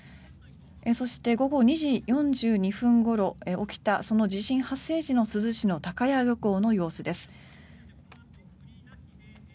そして午後２時４２分ごろ起きたその地震発生時の珠洲市の高屋漁港の様子です。